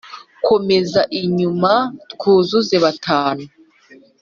komeza inyuma twuzuze batanu